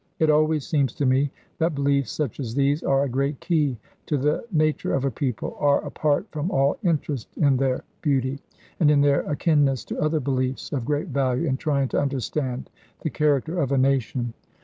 It always seems to me that beliefs such as these are a great key to the nature of a people, are, apart from all interest in their beauty, and in their akinness to other beliefs, of great value in trying to understand the character of a nation.